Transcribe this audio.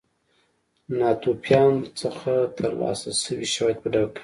ناتوفیان څخه ترلاسه شوي شواهد په ډاګه کوي.